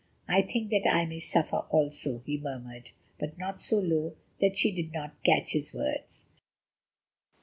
"I think that I may suffer also," he murmured, but not so low that she did not catch his words.